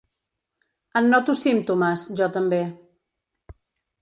En noto símptomes, jo també.